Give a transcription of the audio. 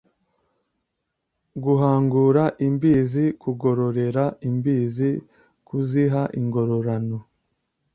Guhangura imbizi: Kugororera Imbizi, kuziha ingororano